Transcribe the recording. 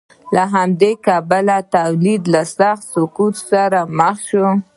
له همدې کبله تولید له سخت سقوط سره مخ شو